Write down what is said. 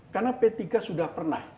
karena p tiga sudah pernah